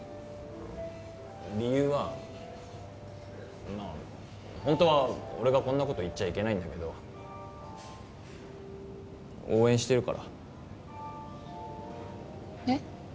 理由はまあホントは俺がこんなこと言っちゃいけないんだけど応援してるからえっ？